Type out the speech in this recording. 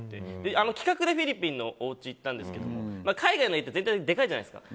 企画でフィリピンのおうちに行ったんですけど海外の家って全体的にでかいじゃないですか。